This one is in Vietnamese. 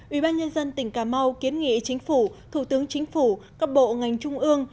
ubnd tỉnh cà mau kiến nghị chính phủ thủ tướng chính phủ các bộ ngành trung ương